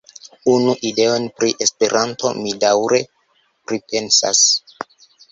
Unu ideon pri Esperanto mi daŭre pripensas.